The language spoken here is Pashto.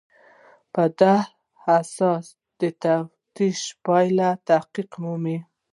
په دې اساس د تفتیش پایلې تحقق مومي.